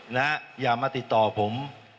อย่ามาติดต่อผม